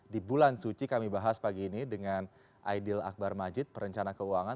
di bulan suci kami bahas pagi ini dengan aidil akbar majid perencana keuangan